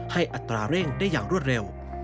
อัตราเร่งได้อย่างรวดเร็ว